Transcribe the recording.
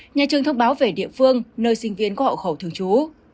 nhà trường thông báo về địa phương nơi sinh viên có hậu khẩu thường trú